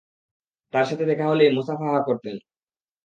তার সাথে দেখা হলেই মোসাফাহা করতেন।